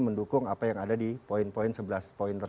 mendukung apa yang ada di sebelas point tersebut